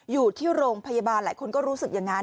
อยู่ที่โรงพยาบาลหลายคนก็รู้สึกอย่างนั้น